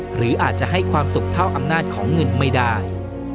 หรืออาจจะให้ความสุขเท่าอำนาจของเงินไม่ได้